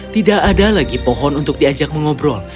tidak ada lagi pohon untuk diajak mengobrol